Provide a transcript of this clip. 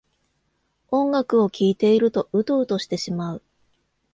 音楽を聴いているとウトウトしてしまう